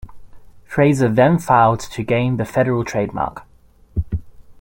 Fraser then filed to gain the federal trademark.